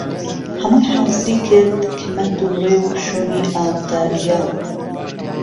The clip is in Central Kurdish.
ههمووی حازری کرد کهمهند و ڕێ و شوێنی ئابدارييه